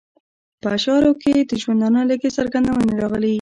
په اشعارو کې یې د ژوندانه لږې څرګندونې راغلې.